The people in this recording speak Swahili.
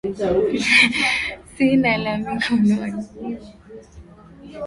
Sina la mikononi,